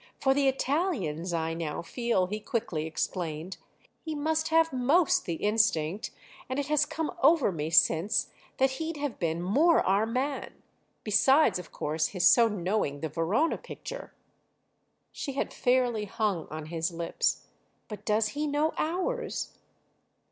For the Italians, I now feel," he quickly explained, "he must have most the instinct—and it has come over me since that he'd have been more our man. Besides of course his so knowing the Verona picture." She had fairly hung on his lips. "But does he know ours?"